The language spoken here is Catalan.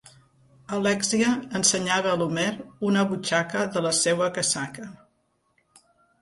Alèxia ensenyava a l'Homer una butxaca de la seua casaca.